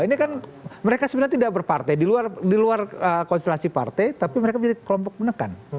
dua ratus dua belas ini kan mereka sebenarnya tidak berpartai di luar konstelasi partai tapi mereka menjadi kelompok menekan